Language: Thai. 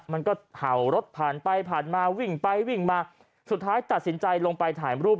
มันก็เห่ารถผ่านไปผ่านมาวิ่งไปวิ่งมาสุดท้ายตัดสินใจลงไปถ่ายรูป